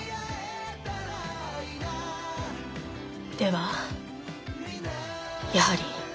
ではやはり。